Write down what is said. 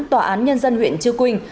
tòa án nhân dân huyện chia quynh